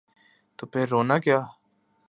تو پھر رونا کیا؟